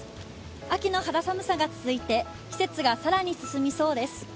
秋の肌寒さが続いて、季節が更に進みそうです。